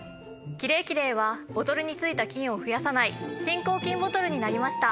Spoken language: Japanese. キレイキレイはボトルについた菌を増やさない新抗菌ボトルになりました。